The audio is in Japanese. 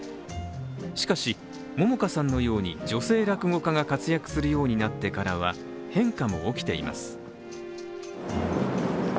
しかし桃花さんのように女性落語家が活躍するようになってからは変化も起きています。